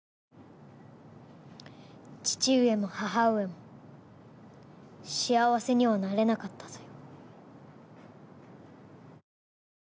父上も母上も幸せにはなれなかったぞよ。